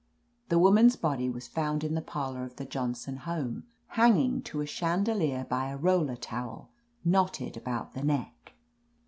The woman's body was found in the parlor of the Johnson home, hanging to a chandelier by a roller towel knotted about the neck.'